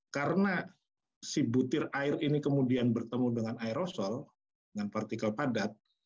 karena si butir air ini kemudian bertemu dengan aerosol dengan partikel padat